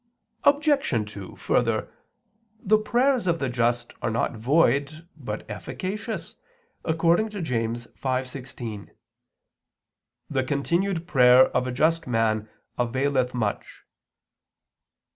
Obj. 2: Further, the prayers of the just are not void, but efficacious, according to James 5:16: "The continued prayer of a just man availeth much."